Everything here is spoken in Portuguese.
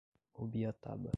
Rubiataba